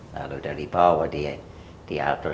lalu dari bawah di atas